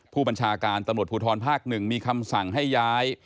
ผู้บัญชาการตำรวจภูทรภาค๑มีคำสั่งให้ย้าย